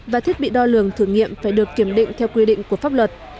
và thiết bị đo lường thử nghiệm phải được kiểm định theo quy định của pháp luật